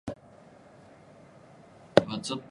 長野県小川村